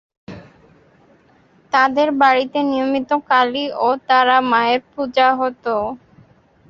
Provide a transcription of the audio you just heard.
তাদের বাড়িতে নিয়মিত কালী ও তারা মায়ের পুজো হতো।